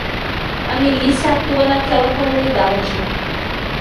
A milícia atua naquela comunidade.